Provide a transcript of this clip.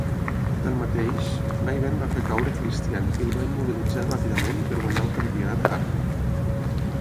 Tanmateix, Maven va fer caure Christian i el va immobilitzar ràpidament per guanyar el Campionat Hardcore.